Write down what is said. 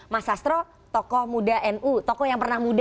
mas sastro tokoh muda nu tokoh yang pernah muda